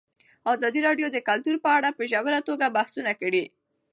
ازادي راډیو د کلتور په اړه په ژوره توګه بحثونه کړي.